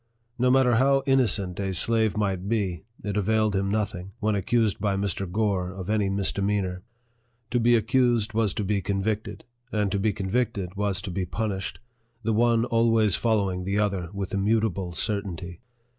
No matter how innocent a slave might be it availed him nothing, when accused by Mr. Gore of any misdemeanor. To be accused was to be convicted, and to be convicted was to be punished ; the one always following the other with immutable certainty.